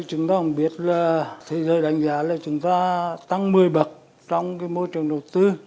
thời gian đánh giá là chúng ta tăng một mươi bậc trong môi trường đầu tư